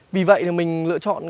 vì vậy thì mình lựa chọn